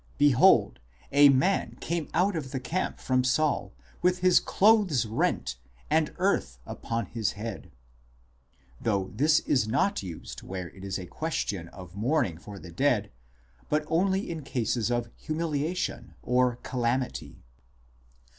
behold, a man came out of the camp from Saul, with his clothes rent, and earth ( addmdh) upon his head "; though this is not used where it is a question of mourning for the dead, but only in cases of humiliation or calamity.